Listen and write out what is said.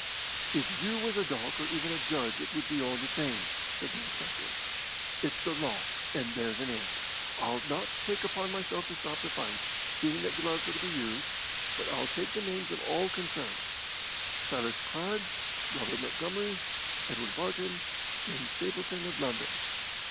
"If you was a dook or even a judge it would be all' the same," said the inspector. "It's the law, and there's an end. I'll not take upon myself to stop the fight, seeing that gloves are to be used, but I'll take the names of all concerned. Silas Craggs, Robert Montgomery, Edward Barton, James Stapleton, of London.